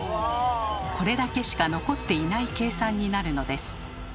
これだけしか残っていない計算になるのです。